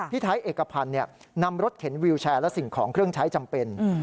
ไทยเอกพันธ์นำรถเข็นวิวแชร์และสิ่งของเครื่องใช้จำเป็น